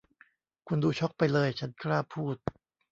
คุณดูช็อคไปเลย ฉันกล้าพูด